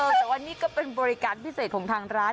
แต่ว่านี่ก็เป็นบริการพิเศษของทางร้าน